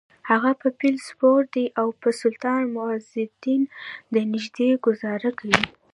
هغه په فیل سپور دی او په سلطان معزالدین د نېزې ګوزار کوي: